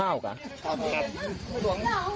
ข้าวหลัง